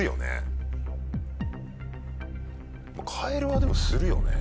カエルはでもするよね。